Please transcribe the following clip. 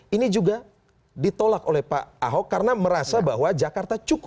ini juga ditolak oleh pak ahok karena merasa bahwa jakarta cukup